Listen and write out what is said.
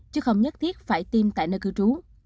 chứ không nhất thiết phải tiêm tại nơi cư trú